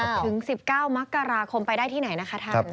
ถึง๑๙มกราคมไปได้ที่ไหนนะคะท่าน